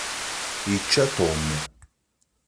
Yečča Tom.